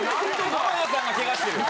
浜田さんがケガしてる。